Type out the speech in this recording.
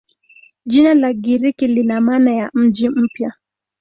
Jina la Kigiriki lina maana ya "mji mpya".